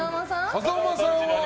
風間さんは。